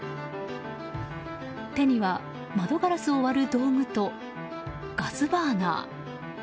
手には窓ガラスを割る道具とガスバーナー。